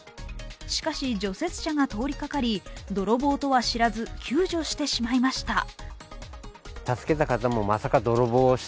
しかし、除雪車が通りがかり泥棒とは知らず救助してしまいました。